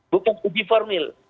bukan uji formil